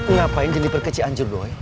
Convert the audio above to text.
ngapain jennifer ke cianjur doi